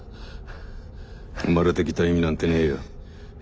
生まれてきた意味なんてねえよ。